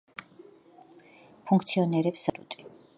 ფუნქციონირებს სასოფლო-სამეურნეო ინსტიტუტი.